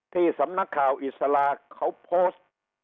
ที่สำนักข่าวอิสระเขาพบ